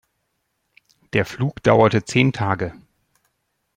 Der Flug dauerte zehn Tage.